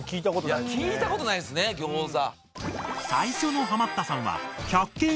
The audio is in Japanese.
いや聞いたことないですねギョーザ！